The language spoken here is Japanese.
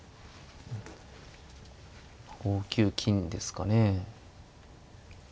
５九金ですかね。